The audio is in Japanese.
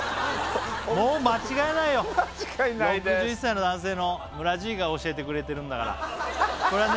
もう間違いないよ６１歳の男性の村爺が教えてくれてるんだからこれはね